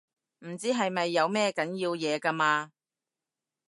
唔知係咪有咩緊要嘢㗎嘛